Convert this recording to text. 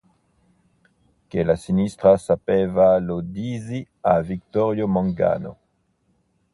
Che la sinistra sapeva lo dissi a Vittorio Mangano.